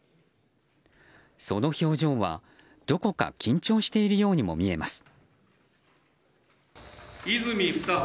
その表情は、どこか緊張しているようにも見えます。